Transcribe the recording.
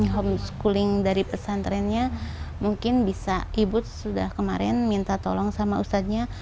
homeschooling dari pesantrennya mungkin bisa ibu sudah kemarin minta tolong sama ustadznya